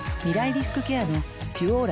リスクケアの「ピュオーラ」